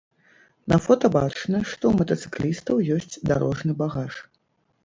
На фота бачна, што ў матацыклістаў ёсць дарожны багаж.